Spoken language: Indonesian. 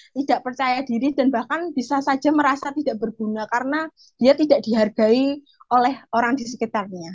tidak percaya diri dan bahkan bisa saja merasa tidak berguna karena dia tidak dihargai oleh orang di sekitarnya